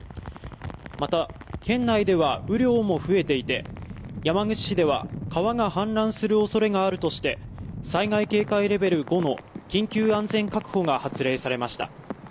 また県内では雨量も増えていて山口市では川が氾濫するおそれがあるとして災害警戒レベル５の緊急安全確保が発令されました